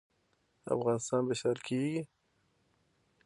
افغانستان به سیال کیږي؟